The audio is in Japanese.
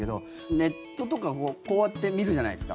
ネットとかこうやって見るじゃないですか。